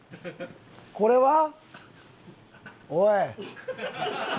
これは？おい！